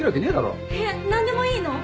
えっ何でもいいの？